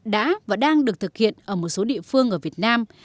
đã và đang được thực hiện ở một số địa phương ở việt nam